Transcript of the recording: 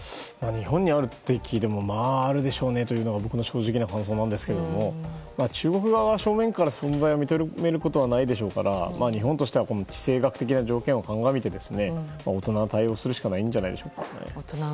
日本にあるって聞いてもあるでしょうねというのが僕の正直な感想なんですけど中国側は正面から存在を認めることはないでしょうから日本としては地政学的な条件を鑑みて大人な対応をするしかないんじゃないでしょうか。